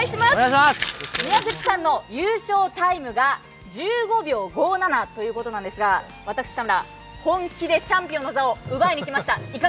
宮口さんの優勝タイムが１５秒５７ということですが、私・田村、本気でチャンピオンの座を奪いに来ました。